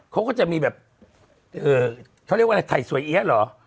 เขาก็จะมีแบบเขาเรียกว่าอะไรไถ่สวยเอี๊ยะเหรอ